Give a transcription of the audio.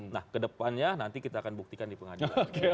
nah kedepannya nanti kita akan buktikan di pengadilan